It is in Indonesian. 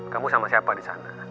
kamu sama siapa disana